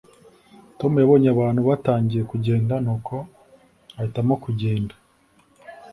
tom yabonye abantu batangiye kugenda, nuko ahitamo kugenda